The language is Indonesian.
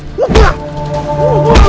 sekarang gantian boleh dong